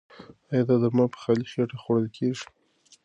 ایا دا درمل په خالي خېټه خوړل کیږي؟